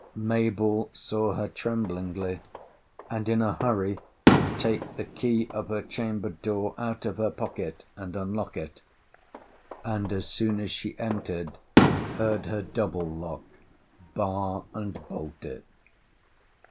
Mabell saw her, tremblingly, and in a hurry, take the key of her chamber door out of her pocket, and unlock it; and, as soon as she entered, heard her double lock, bar, and bolt it.